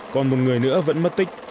còn một người nữa vẫn mất tích